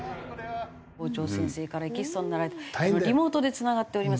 校長先生からエキストラになられたリモートでつながっております。